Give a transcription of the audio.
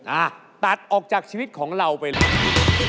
อ่ะตัดออกจากชีวิตของเราไปเลย